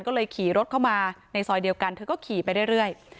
ก็เลยขี่รถเข้ามาในซอยเดียวกันเธอก็ขี่ไปเรื่อย